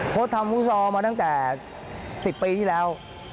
ทำฟุตซอลมาตั้งแต่๑๐ปีที่แล้ว